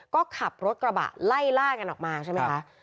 ก็ขับรถกระบะไล่ล่ากันออกมาใช่ไหมคะ